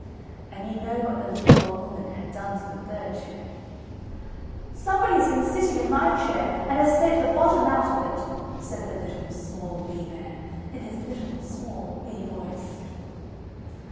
And you know what the little old Woman had done to the third chair. "Somebody has been sitting in my chair and has sate the bottom out of it!" said the Little, Small, Wee Bear, in his little, small, wee voice.